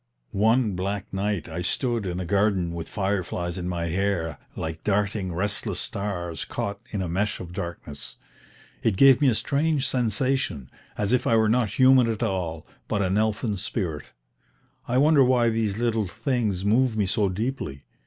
One black night I stood in a garden with fireflies in my hair like darting restless stars caught in a mesh of darkness. It gave me a strange sensation, as if I were not human at all, but an elfin spirit. I wonder why these little things move me so deeply?